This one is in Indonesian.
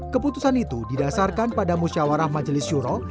keputusan itu didasarkan pada musyawarah majelis syuroh